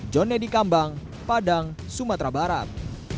john nedi kambang padang sumatera barat